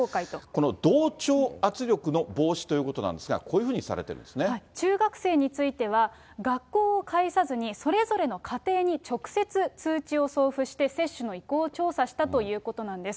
この同調圧力の防止ということなんですが、こういうふうにさ中学生については、学校を介さずに、それぞれの家庭に直接通知を送付して、接種の意向を調査したということなんです。